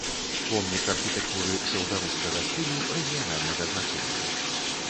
Помнік архітэктуры псеўдарускага стылю рэгіянальнага значэння.